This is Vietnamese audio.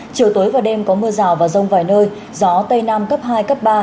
chiều tối và đêm có mưa rào và rông vài nơi gió tây nam cấp hai cấp ba